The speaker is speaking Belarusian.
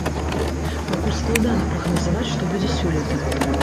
Пакуль складана прагназаваць, што будзе сёлета.